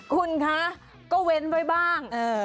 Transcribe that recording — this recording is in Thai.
คุณคร้าก็เว้นไปบ้าง